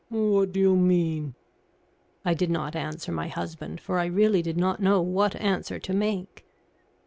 "What do you mean?" I did not answer my husband, for I really did not know what answer to make.